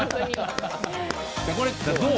どう？